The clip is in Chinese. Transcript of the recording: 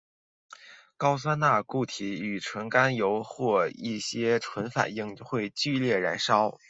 高锰酸钾固体与纯甘油或一些醇反应会剧烈燃烧。